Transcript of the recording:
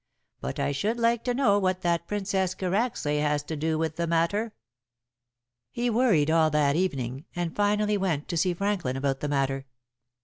But I should like to know what that Princess Karacsay has to do with the matter." He worried all that evening, and finally went to see Franklin about the matter.